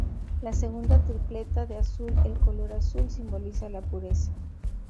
La segunda tripleta de azul el color azul simboliza la pureza.